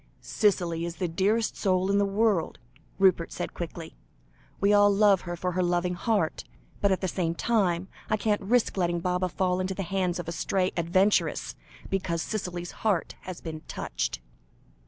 "Cicely is the dearest soul in the world," Rupert said quickly. "We all love her for her loving heart but at the same time, I can't risk letting Baba fall into the hands of a stray adventuress, because Cicely's heart has been touched."